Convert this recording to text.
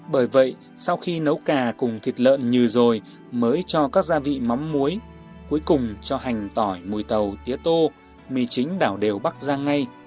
bởi vậy sau khi nấu cà cùng thịt lợn như rồi mới cho các gia vị mắm muối cuối cùng cho hành tỏi mùi tàu tía tô mì chính đảo đều bắt ra ngay